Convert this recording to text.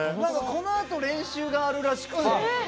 この後、練習があるらしくて。